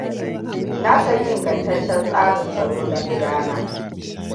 Na sayi ingantaccen tsarin tsaro na gidana.